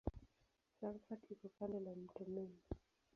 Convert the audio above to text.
Frankfurt iko kando la mto Main.